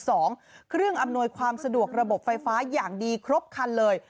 เครื่องอำนวยความสะดวกระบบไฟฟ้าอย่างดีครบคันเลย